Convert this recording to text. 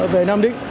về nam định